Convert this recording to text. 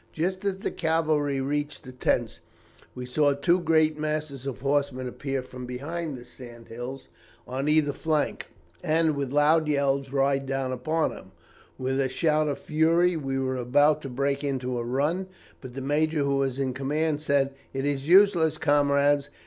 Just as the cavalry reached the tents, we saw two great masses of horsemen appear from behind the sand hills on either flank, and with loud yells ride down upon them. With a shout of fury we were about to break into a run, but the major who was in command said, 'It is useless, comrades.